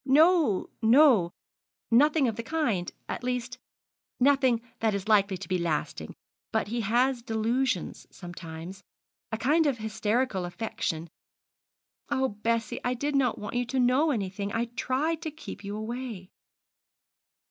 'No, no; nothing of the kind at least, nothing that is likely to be lasting; but he has delusions sometimes a kind of hysterical affection. Oh, Bessie, I did not want you to know anything; I tried to keep you away.'